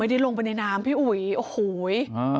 ไม่ได้ลงไปในน้ำพี่อุ๋ยโอ้โหย